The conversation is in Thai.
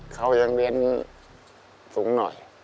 เขายังเรียนสูงหน่อย